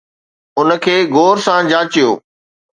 ان کي غور سان جانچيو.